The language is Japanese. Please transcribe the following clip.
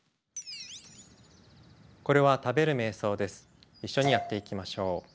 これは一緒にやっていきましょう。